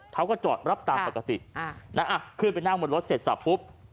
เขาก็จอดรับตามปกติขึ้นไปนั่งบนรถเสร็จสับปุ๊บ